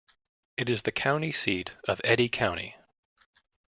It is the county seat of Eddy County.